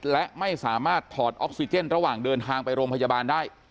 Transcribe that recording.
และไม่สามารถถอดออกซิเจนระหว่างเดินทางไปโรงพยาบาลได้